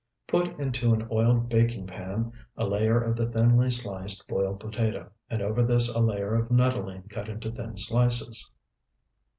Put into an oiled baking pan a layer of the thinly sliced boiled potato, and over this a layer of nuttolene cut into thin slices.